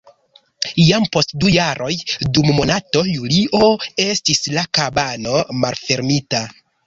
Jam post du jaroj dum monato julio estis la kabano malfermita.